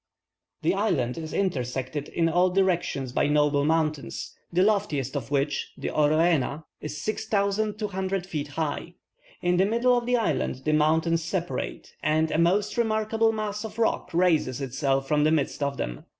The island is intersected in all directions by noble mountains, the loftiest of which, the Oroena, is 6,200 feet high. In the middle of the island the mountains separate, and a most remarkable mass of rock raises itself from the midst of them.